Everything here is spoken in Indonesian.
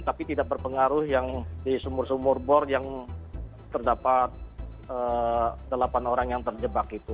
tapi tidak berpengaruh yang di sumur sumur bor yang terdapat delapan orang yang terjebak itu